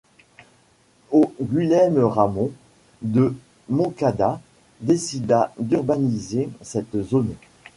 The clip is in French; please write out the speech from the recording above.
Au Guillem Ramón de Montcada décida d’urbaniser cette zone.